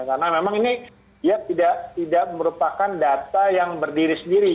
karena memang ini tidak merupakan data yang berdiri sendiri